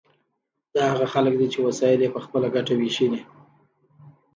دا هغه خلک دي چې وسایل یې په خپله ګټه ویشلي.